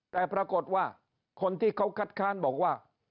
แต่ปรากฏว่าคนที่เขาคัดค้านบอกว่า